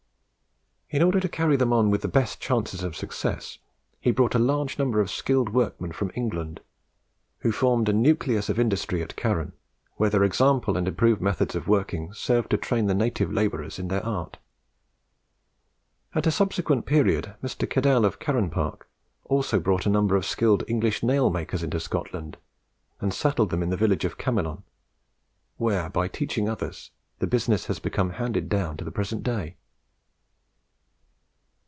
In order to carry them on with the best chances of success, he brought a large number of skilled workmen from England, who formed a nucleus of industry at Carron, where their example and improved methods of working served to train the native labourers in their art. At a subsequent period, Mr. Cadell, of Carronpark, also brought a number of skilled English nail makers into Scotland, and settled them in the village of Camelon, where, by teaching others, the business has become handed down to the present day.